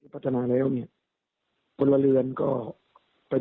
พัฒนาแล้วเนี่ย